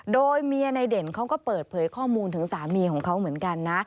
โดยเมียในเด่นเขาก็เปิดเผยข้อมูลถึงสามีของเขาเหมือนกันนะ